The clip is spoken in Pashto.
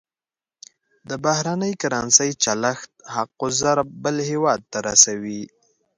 د بهرنۍ کرنسۍ چلښت حق الضرب بل هېواد ته رسوي.